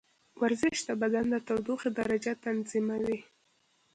ورزش د بدن د تودوخې درجه تنظیموي.